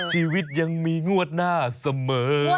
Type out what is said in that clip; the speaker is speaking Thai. ชีวิตยังมีงวดหน้าเสมอ